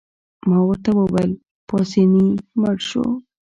ما ورته وویل: پاسیني مړ شو.